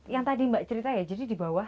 yang tadi mbak cerita ya jadi di bawah